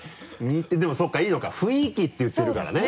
似てでもそうかいいのか「雰囲気」って言ってるからね。